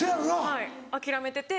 はい諦めてて。